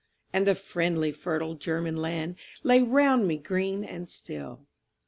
And the friendly fertile German land Lay round me green and still.